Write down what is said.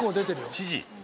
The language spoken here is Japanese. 知事。